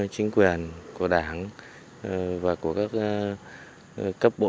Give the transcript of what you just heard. chính quyền của đảng và của các cấp bộ